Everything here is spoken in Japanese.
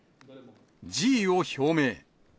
辞意を表明。